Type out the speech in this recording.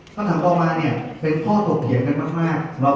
คำตามต่อมาเนี่ยเป็นพ่อตกเผียงกันมากมากสำหรับ